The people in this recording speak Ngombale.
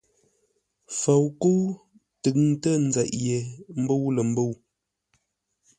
FOUKƏ́U tʉŋtə nzeʼ yé mbə̂u lə̂ mbə̂u.